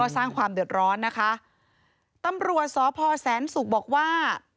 ก็สร้างความเดือดร้อนนะคะตำรัวสพแสสูกบอกว่า